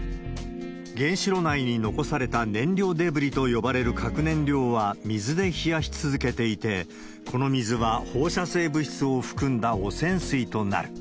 原子炉内に残された燃料デブリと呼ばれる核燃料は水で冷やし続けていて、この水は放射性物質を含んだ汚染水となる。